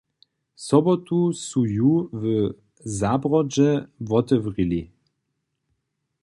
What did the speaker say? Sobotu su ju w Zabrodźe wotewrěli.